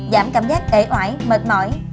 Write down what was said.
giảm cảm giác ế oải mệt mỏi